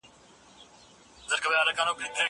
بازار ته ولاړ سه!